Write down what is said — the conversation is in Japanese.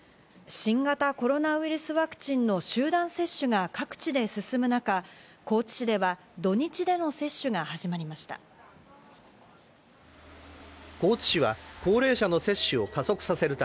新型コロナウイルスワクチンの集団接種が各地で進む中、高知市では土日での接種が始まりました。